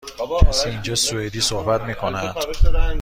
کسی اینجا سوئدی صحبت می کند؟